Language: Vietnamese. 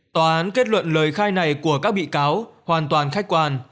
tòa án kết luận lời khai này của các bị cáo hoàn toàn khách quan